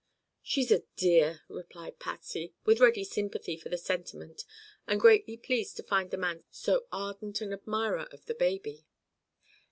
"She's a dear," replied Patsy, with ready sympathy for the sentiment and greatly pleased to find the man so ardent an admirer of the baby.